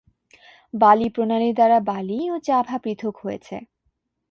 বালি প্রণালী দ্বারা বালি ও জাভা পৃথক হয়েছে।